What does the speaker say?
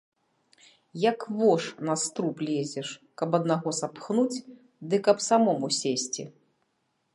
Як вош на струп лезеш, каб аднаго сапхнуць ды каб самому сесці.